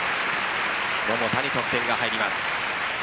桃田に得点が入ります。